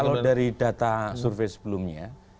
kalau dari data survei sebelumnya